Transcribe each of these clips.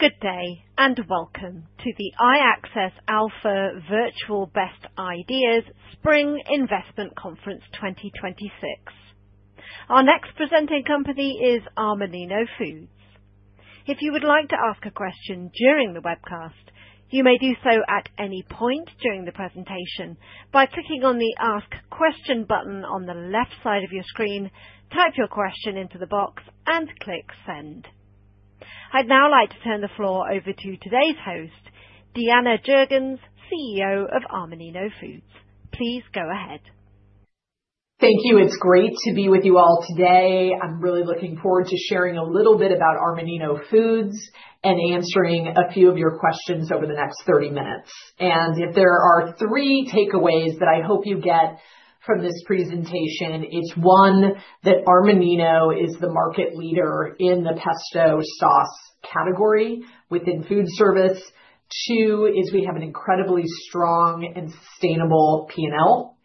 Good day, and welcome to the iAccess Alpha Virtual Best Ideas Spring Investment Conference 2026. Our next presenting company is Armanino Foods. If you would like to ask a question during the webcast, you may do so at any point during the presentation by clicking on the Ask Question button on the left side of your screen, type your question into the box, and click Send. I'd now like to turn the floor over to today's host, Deanna Jurgens, CEO of Armanino Foods. Please go ahead. Thank you. It's great to be with you all today. I'm really looking forward to sharing a little bit about Armanino Foods and answering a few of your questions over the next 30 minutes. If there are three takeaways that I hope you get from this presentation, it's one, that Armanino is the market leader in the pesto sauce category within food service. Two, is we have an incredibly strong and sustainable P&L.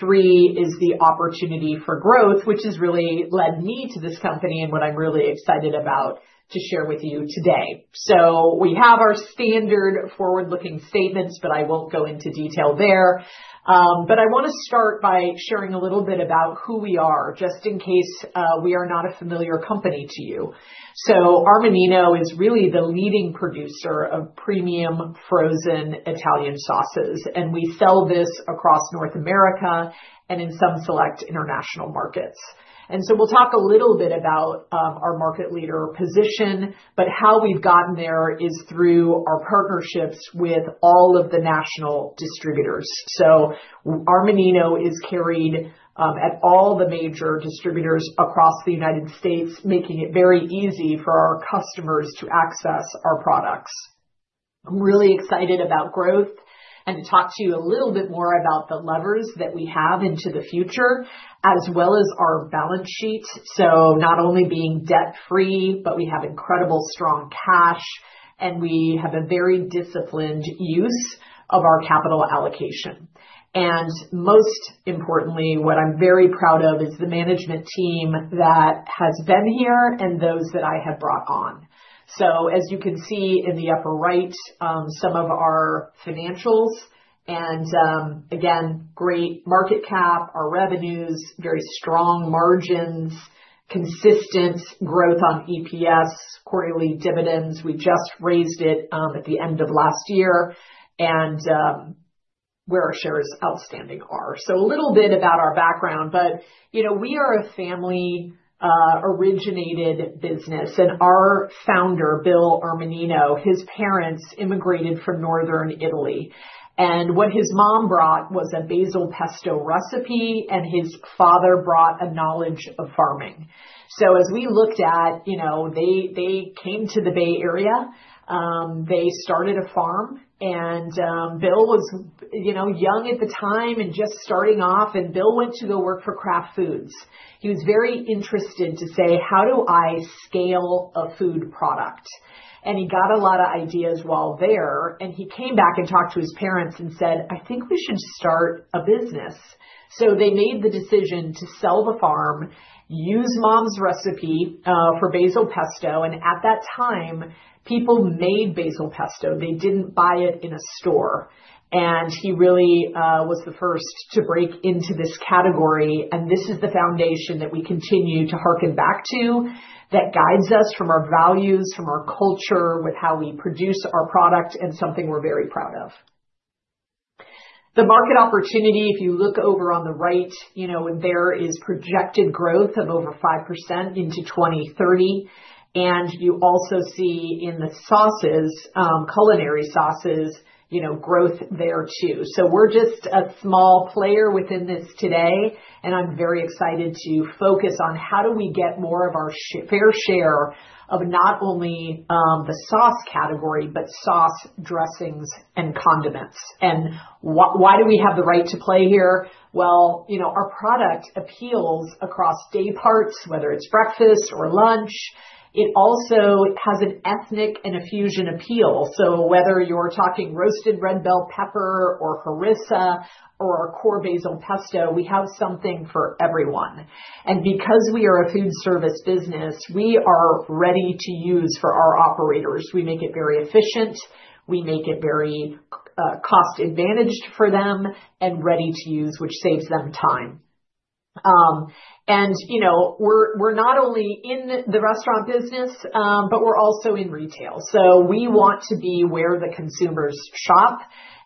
Three, is the opportunity for growth, which has really led me to this company and what I'm really excited about to share with you today. We have our standard forward-looking statements, but I won't go into detail there. I wanna start by sharing a little bit about who we are, just in case we are not a familiar company to you. Armanino is really the leading producer of premium frozen Italian sauces, and we sell this across North America and in some select international markets. We'll talk a little bit about our market leader position, but how we've gotten there is through our partnerships with all of the national distributors. Armanino is carried at all the major distributors across the United States, making it very easy for our customers to access our products. I'm really excited about growth and talk to you a little bit more about the levers that we have into the future, as well as our balance sheet. Not only being debt free, but we have incredibly strong cash, and we have a very disciplined use of our capital allocation. Most importantly, what I'm very proud of is the management team that has been here and those that I have brought on. As you can see in the upper right, some of our financials and, again, great market cap, our revenues, very strong margins, consistent growth on EPS, quarterly dividends. We just raised it at the end of last year and where our shares outstanding are. A little bit about our background, but, you know, we are a family originated business. Our founder, Bill Armanino, his parents immigrated from Northern Italy, and what his mom brought was a basil pesto recipe, and his father brought a knowledge of farming. As we looked at, you know, they came to the Bay Area, they started a farm and Bill Armanino was, you know, young at the time and just starting off, and Bill Armanino went to go work for Kraft Foods. He was very interested to say, "How do I scale a food product?" He got a lot of ideas while there, and he came back and talked to his parents and said, "I think we should start a business." They made the decision to sell the farm, use mom's recipe, for Basil Pesto. At that time, people made Basil Pesto. They didn't buy it in a store. He really was the first to break into this category, and this is the foundation that we continue to harken back to that guides us from our values, from our culture, with how we produce our product, and something we're very proud of. The market opportunity, if you look over on the right, you know, there is projected growth of over 5% into 2030. You also see in the sauces, culinary sauces, you know, growth there too. We're just a small player within this today, and I'm very excited to focus on how do we get more of our fair share of not only the sauce category, but sauce dressings and condiments. Why do we have the right to play here? Well, you know, our product appeals across day parts, whether it's breakfast or lunch. It also has an ethnic and a fusion appeal. Whether you're talking roasted red bell pepper or harissa or our core basil pesto, we have something for everyone. Because we are a food service business, we are ready to use for our operators. We make it very efficient. We make it very cost advantaged for them and ready to use, which saves them time. You know, we're not only in the restaurant business, but we're also in retail. We want to be where the consumers shop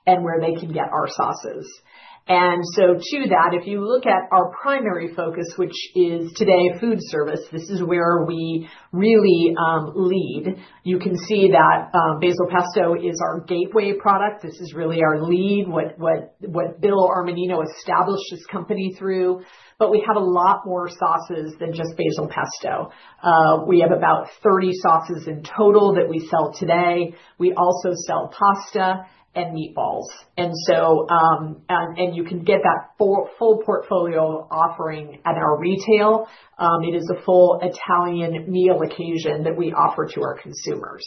and where they can get our sauces. To that, if you look at our primary focus, which is today food service, this is where we really lead. You can see that, basil pesto is our gateway product. This is really our lead Bill Armanino established his company through. We have a lot more sauces than just Basil Pesto. We have about 30 sauces in total that we sell today. We also sell pasta and meatballs. You can get that full portfolio offering at our retail. It is a full Italian meal occasion that we offer to our consumers.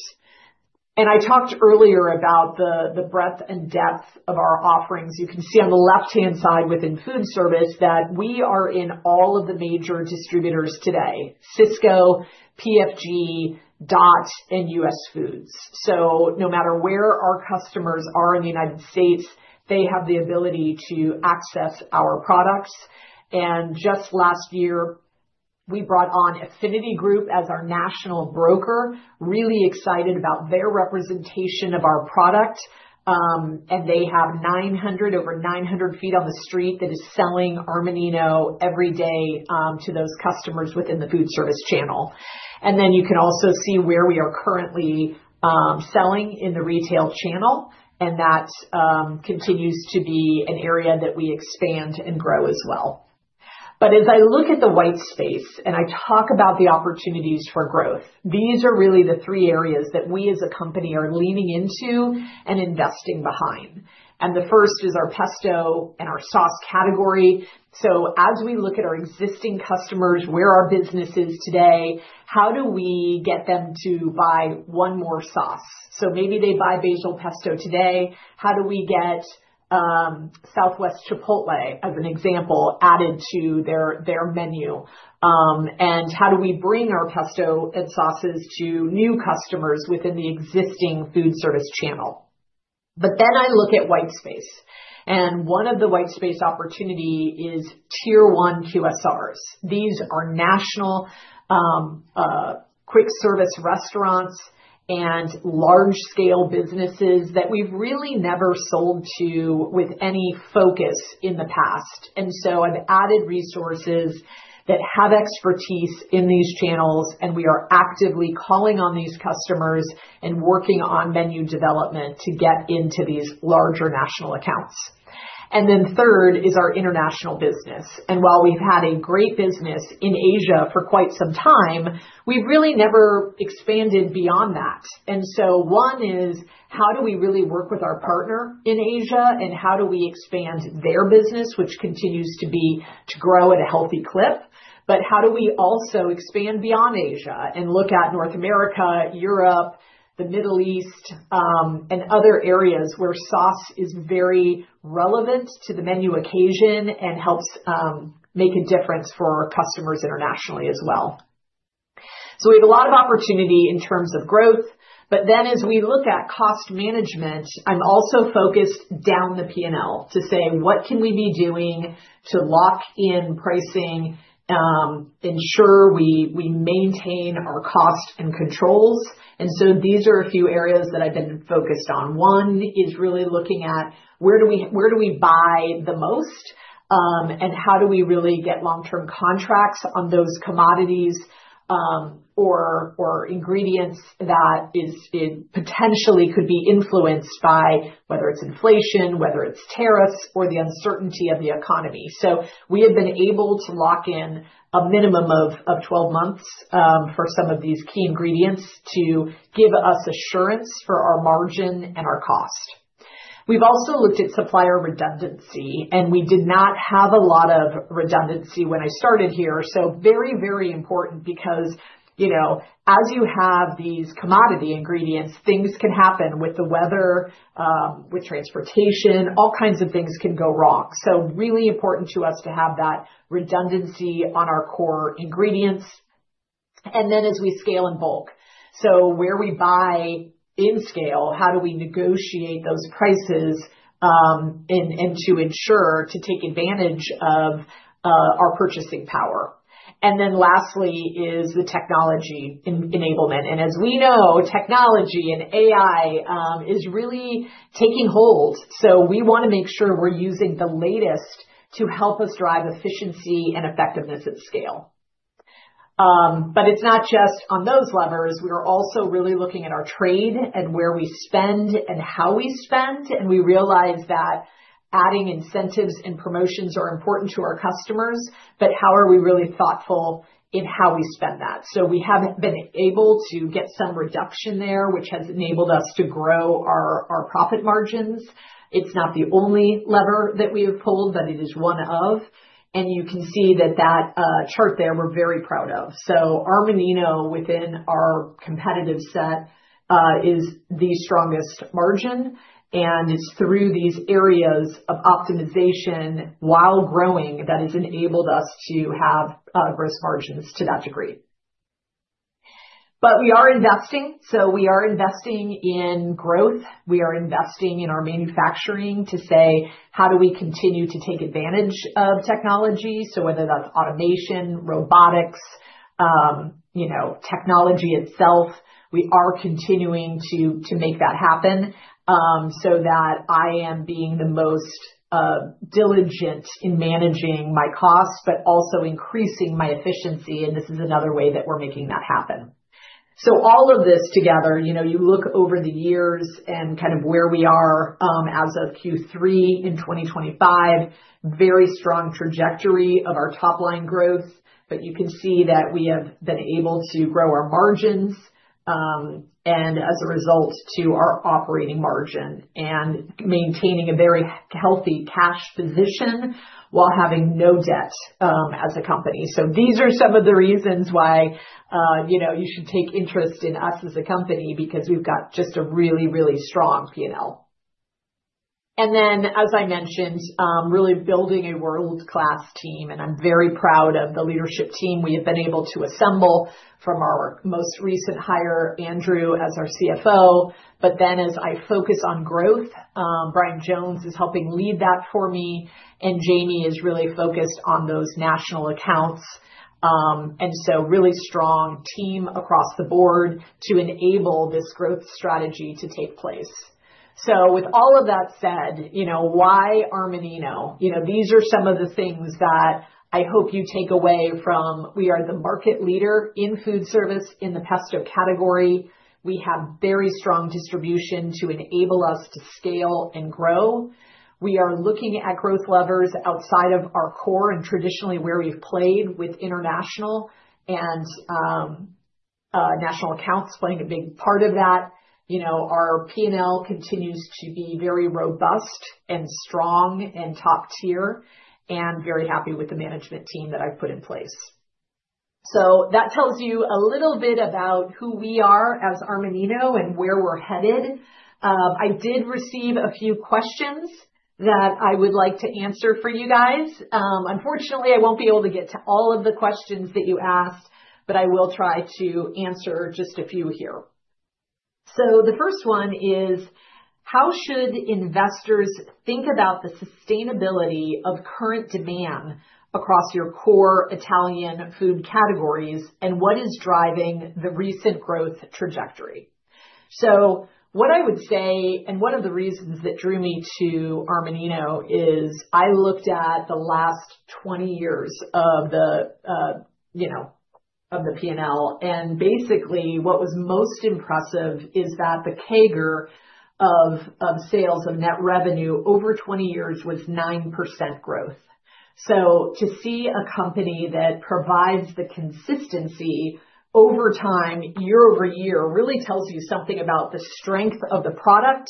I talked earlier about the breadth and depth of our offerings. You can see on the left-hand side within food service that we are in all of the major distributors today, Sysco, PFG, Dot and US Foods. No matter where our customers are in the United States, they have the ability to access our products. Just last year, we brought on Affinity Group as our national broker. Really excited about their representation of our product. They have over 900 feet on the street that is selling Armanino every day to those customers within the food service channel. Then you can also see where we are currently selling in the retail channel, and that continues to be an area that we expand and grow as well. As I look at the white space and I talk about the opportunities for growth, these are really the three areas that we as a company are leaning into and investing behind. The first is our pesto and our sauce category. As we look at our existing customers, where our business is today, how do we get them to buy one more sauce? Maybe they buy Basil Pesto today, how do we get Southwest Chipotle, as an example, added to their menu? How do we bring our pesto and sauces to new customers within the existing food service channel? I look at white space, and one of the white space opportunity is tier one QSRs. These are national quick service restaurants and large scale businesses that we've really never sold to with any focus in the past. I've added resources that have expertise in these channels, and we are actively calling on these customers and working on menu development to get into these larger national accounts. Third is our international business. While we've had a great business in Asia for quite some time, we've really never expanded beyond that. One is how do we really work with our partner in Asia, and how do we expand their business, which continues to grow at a healthy clip. But how do we also expand beyond Asia and look at North America, Europe, the Middle East, and other areas where sauce is very relevant to the menu occasion and helps make a difference for our customers internationally as well. We have a lot of opportunity in terms of growth. But then as we look at cost management, I'm also focused down the P&L to say, what can we be doing to lock in pricing, ensure we maintain our cost and controls. These are a few areas that I've been focused on. One is really looking at where do we buy the most, and how do we really get long-term contracts on those commodities, or ingredients that potentially could be influenced by whether it's inflation, whether it's tariffs or the uncertainty of the economy. We have been able to lock in a minimum of 12 months for some of these key ingredients to give us assurance for our margin and our cost. We've also looked at supplier redundancy, and we did not have a lot of redundancy when I started here. Very, very important because, you know, as you have these commodity ingredients, things can happen with the weather, with transportation, all kinds of things can go wrong. Really important to us to have that redundancy on our core ingredients. As we scale in bulk. where we buy in scale, how do we negotiate those prices, and to ensure to take advantage of our purchasing power. Then lastly is the technology enablement. As we know, technology and AI is really taking hold. We wanna make sure we're using the latest to help us drive efficiency and effectiveness at scale. But it's not just on those levers. We are also really looking at our trade and where we spend and how we spend, and we realize that adding incentives and promotions are important to our customers, but how are we really thoughtful in how we spend that? We have been able to get some reduction there, which has enabled us to grow our profit margins. It's not the only lever that we have pulled, but it is one of, and you can see that chart there. We're very proud of. Armanino within our competitive set is the strongest margin, and it's through these areas of optimization while growing that has enabled us to have gross margins to that degree. We are investing, so we are investing in growth. We are investing in our manufacturing to see how we continue to take advantage of technology. Whether that's automation, robotics, you know, technology itself, we are continuing to make that happen, so that I am being the most diligent in managing my costs but also increasing my efficiency and this is another way that we're making that happen. All of this together, you know, you look over the years and kind of where we are, as of Q3 in 2025, very strong trajectory of our top line growth. You can see that we have been able to grow our margins, and as a result to our operating margin and maintaining a very healthy cash position while having no debt, as a company. These are some of the reasons why, you know, you should take interest in us as a company because we've got just a really, really strong P&L. As I mentioned, really building a world-class team, and I'm very proud of the leadership team we have been able to assemble from our most recent hire, Andrew, as our CFO. As I focus on growth, Bryan Jones is helping lead that for me, and Jamie is really focused on those national accounts. Really strong team across the board to enable this growth strategy to take place. With all of that said, you know, why Armanino? You know, these are some of the things that I hope you take away from. We are the market leader in food service in the pesto category. We have very strong distribution to enable us to scale and grow. We are looking at growth levers outside of our core and traditionally where we've played with international and national accounts playing a big part of that. You know, our P&L continues to be very robust and strong and top-tier, and very happy with the management team that I've put in place. That tells you a little bit about who we are as Armanino and where we're headed. I did receive a few questions that I would like to answer for you guys. Unfortunately, I won't be able to get to all of the questions that you asked, but I will try to answer just a few here. The first one is, how should investors think about the sustainability of current demand across your core Italian food categories, and what is driving the recent growth trajectory? What I would say, and one of the reasons that drew me to Armanino is I looked at the last 20 years of the, you know, of the P&L, and basically what was most impressive is that the CAGR of sales of net revenue over 20 years was 9% growth. To see a company that provides the consistency over time, year-over-year, really tells you something about the strength of the product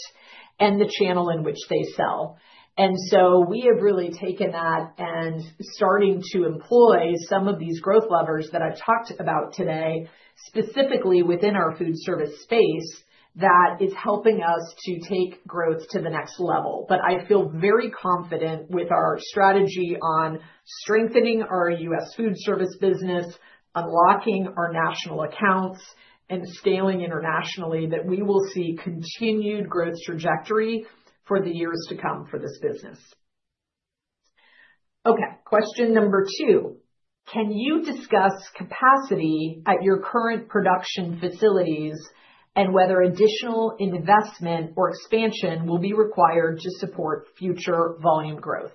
and the channel in which they sell. We have really taken that and starting to employ some of these growth levers that I've talked about today, specifically within our food service space, that is helping us to take growth to the next level. I feel very confident with our strategy on strengthening our U.S. food service business, unlocking our national accounts, and scaling internationally, that we will see continued growth trajectory for the years to come for this business. Okay. Question number two: Can you discuss capacity at your current production facilities and whether additional investment or expansion will be required to support future volume growth?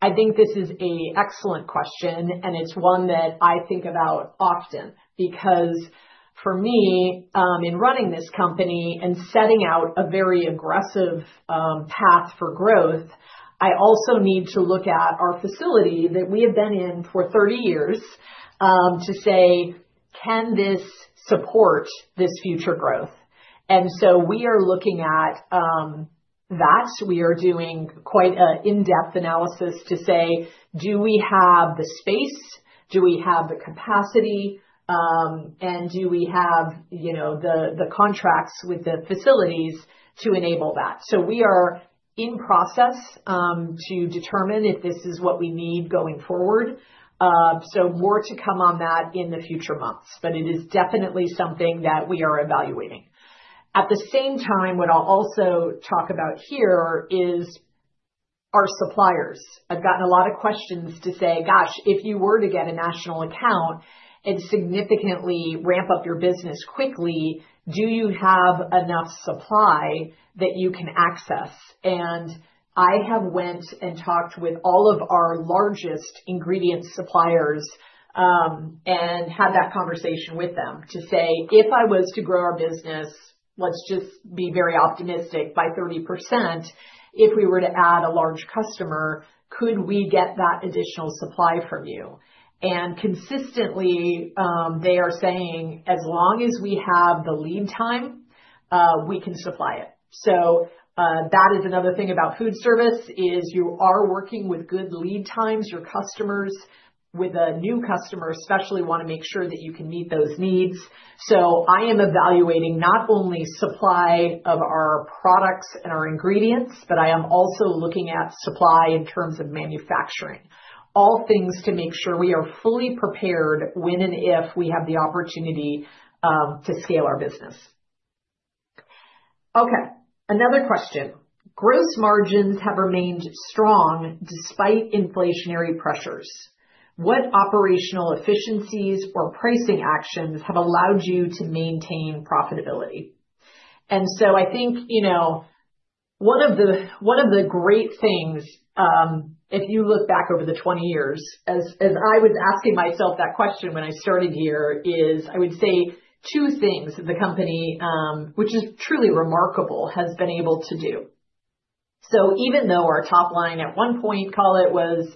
I think this is an excellent question, and it's one that I think about often, because for me, in running this company and setting out a very aggressive path for growth, I also need to look at our facility that we have been in for 30 years to say, "Can this support this future growth?" We are looking at that. We are doing quite an in-depth analysis to say, "Do we have the space? Do we have the capacity? And do we have, you know, the contracts with the facilities to enable that?" We are in process to determine if this is what we need going forward. More to come on that in the future months, but it is definitely something that we are evaluating. At the same time, what I'll also talk about here is our suppliers. I've gotten a lot of questions to say, "Gosh, if you were to get a national account and significantly ramp up your business quickly, do you have enough supply that you can access?" I have went and talked with all of our largest ingredient suppliers, and had that conversation with them to say, "If I was to grow our business, let's just be very optimistic, by 30% if we were to add a large customer, could we get that additional supply from you?" Consistently, they are saying, "As long as we have the lead time, we can supply it." That is another thing about food service is you are working with good lead times. Your customers, with a new customer especially, wanna make sure that you can meet those needs. I am evaluating not only supply of our products and our ingredients, but I am also looking at supply in terms of manufacturing. All things to make sure we are fully prepared when and if we have the opportunity to scale our business. Okay. Another question. Gross margins have remained strong despite inflationary pressures. What operational efficiencies or pricing actions have allowed you to maintain profitability? I think, you know, one of the great things, if you look back over the 20 years, as I was asking myself that question when I started here is, I would say two things the company, which is truly remarkable, has been able to do. Even though our top line at one point, call it, was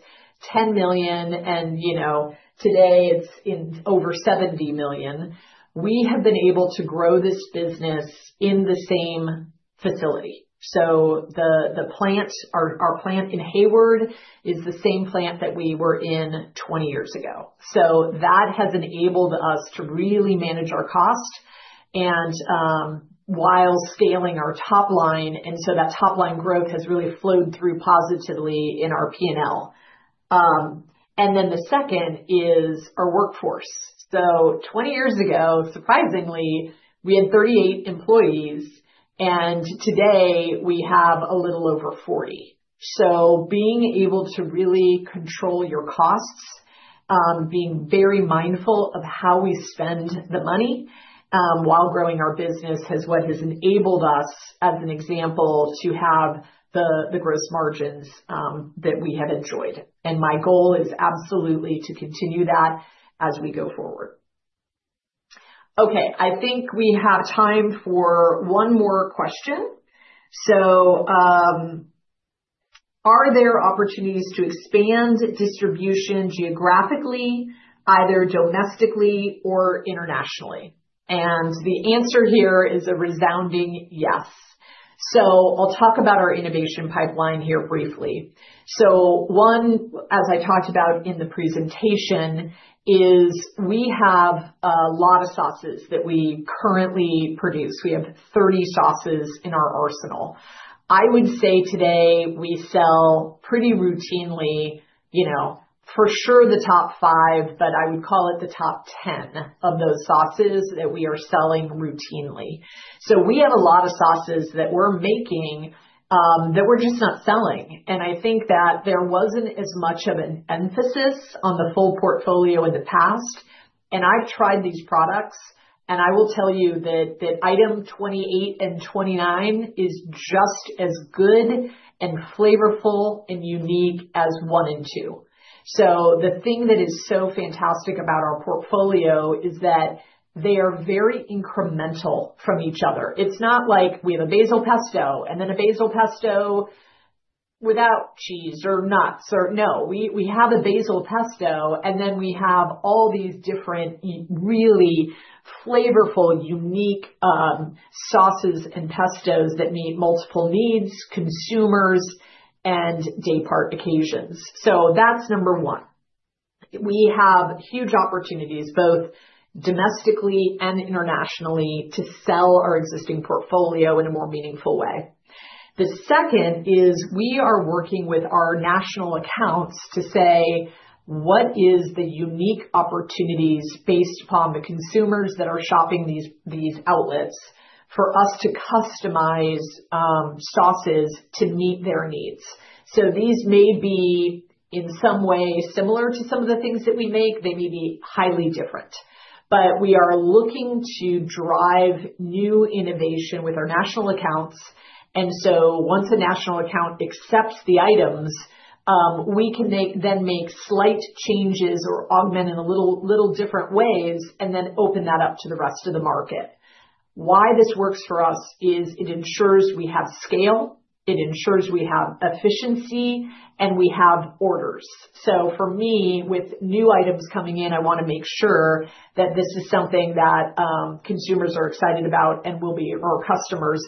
$10 million and, you know, today it's in over $70 million, we have been able to grow this business in the same facility. The plant, our plant in Hayward, is the same plant that we were in 20 years ago. That has enabled us to really manage our cost and while scaling our top line, and so that top line growth has really flowed through positively in our P&L. Then the second is our workforce. 20 years ago, surprisingly, we had 38 employees, and today we have a little over 40. Being able to really control your costs, being very mindful of how we spend the money, while growing our business is what has enabled us, as an example, to have the gross margins that we have enjoyed. My goal is absolutely to continue that as we go forward. Okay, I think we have time for one more question. Are there opportunities to expand distribution geographically, either domestically or internationally? The answer here is a resounding yes. I'll talk about our innovation pipeline here briefly. One, as I talked about in the presentation, is we have a lot of sauces that we currently produce. We have 30 sauces in our arsenal. I would say today we sell pretty routinely, you know, for sure the top five, but I would call it the top 10 of those sauces that we are selling routinely. We have a lot of sauces that we're making that we're just not selling, and I think that there wasn't as much of an emphasis on the full portfolio in the past. I've tried these products, and I will tell you that item 28 and 29 is just as good and flavorful and unique as one and two. The thing that is so fantastic about our portfolio is that they are very incremental from each other. It's not like we have a Basil Pesto and then a Basil Pesto without cheese or nuts or. No. We have a Basil Pesto, and then we have all these different, really flavorful, unique, sauces and pestos that meet multiple needs, consumers and day part occasions. That's number one. We have huge opportunities, both domestically and internationally, to sell our existing portfolio in a more meaningful way. The second is we are working with our national accounts to say, what is the unique opportunities based upon the consumers that are shopping these outlets for us to customize, sauces to meet their needs. These may be, in some way, similar to some of the things that we make. They may be highly different. We are looking to drive new innovation with our national accounts. Once a national account accepts the items, we can then make slight changes or augment in a little different ways and then open that up to the rest of the market. Why this works for us is it ensures we have scale, it ensures we have efficiency, and we have orders. For me, with new items coming in, I wanna make sure that this is something that consumers are excited about or customers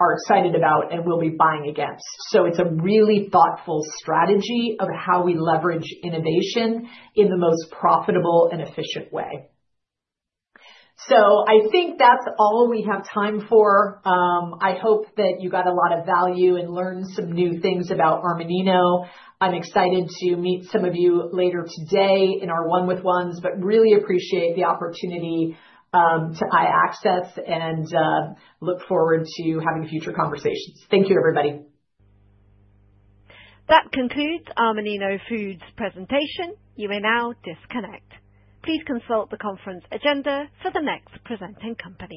are excited about and will be buying against. It's a really thoughtful strategy of how we leverage innovation in the most profitable and efficient way. I think that's all we have time for. I hope that you got a lot of value and learned some new things about Armanino. I'm excited to meet some of you later today in our one-on-ones, but really appreciate the opportunity to iAccess Alpha and look forward to having future conversations. Thank you everybody. That concludes Armanino Foods presentation. You may now disconnect. Please consult the conference agenda for the next presenting company.